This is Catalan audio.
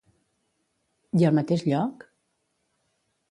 I al mateix lloc?